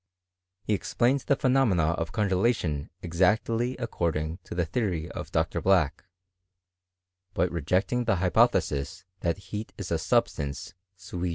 He ex plained the phenomena of congelation exactly accord^^ ing to the theory of Dr. Black, but rejecting the hypothesis, that heat is a substance iui